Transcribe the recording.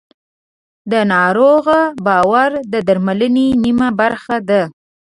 د ناروغ باور د درملنې نیمه برخه ده.